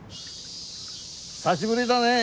久しぶりだねえ